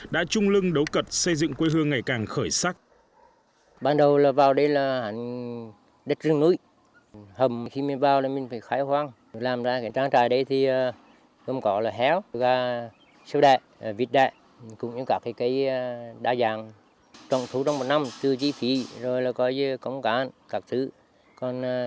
đã chung lưng đấu cật xây dựng quê hương ngày càng khởi sắc